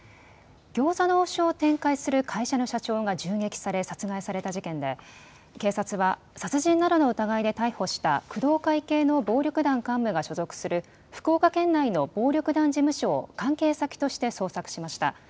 餃子の王将を展開する会社の社長が銃撃され殺害された事件で警察は殺人などの疑いで逮捕した工藤会系の暴力団幹部が所属する福岡県内の暴力団事務所を関係先として捜索しました。